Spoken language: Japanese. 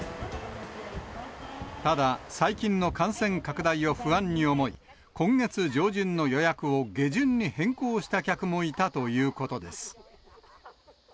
ただ、最近の感染拡大を不安に思い、今月上旬の予約を下旬に変更した客もいたということです。